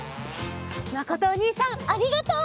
まことおにいさんありがとう。